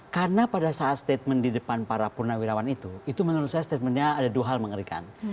karena pada saat statement di depan para purnawirawan itu itu menurut saya statementnya ada dua hal mengerikan